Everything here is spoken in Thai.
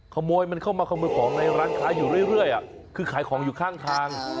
ขโมยมันเข้ามาขโมยของในร้านค้าอยู่เรื่อยคือขายของอยู่ข้างทาง